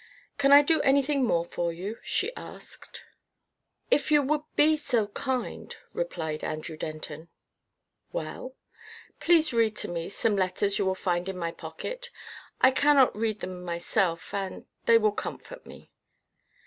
"Can I do anything more for you?" she asked. "If you would be so kind," replied Andrew Denton. "Well?" "Please read to me some letters you will find in my pocket. I cannot read them myself, and they will comfort me."